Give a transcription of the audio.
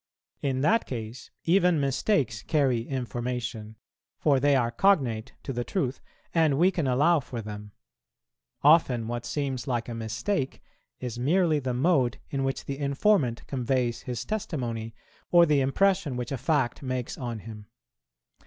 In that case, even mistakes carry information; for they are cognate to the truth, and we can allow for them. Often what seems like a mistake is merely the mode in which the informant conveys his testimony, or the impression which a fact makes on him.